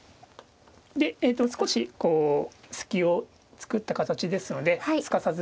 でえと少し隙を作った形ですのですかさず。